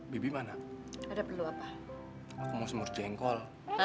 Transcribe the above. bibi mana ada perlu apa aku mau semur jengkol